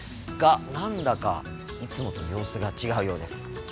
が何だかいつもと様子が違うようです。